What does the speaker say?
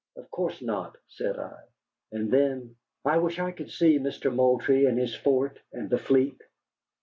"Of course not," said I. And then: "I wish I could see Mister Moultrie in his fort, and the fleet."